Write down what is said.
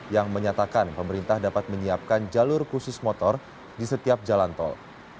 yang menyatakan pemerintah dapat menyiapkan jalur khusus motor di setiap jalan tol